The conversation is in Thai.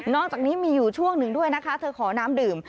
จากนี้มีอยู่ช่วงหนึ่งด้วยนะคะเธอขอน้ำดื่ม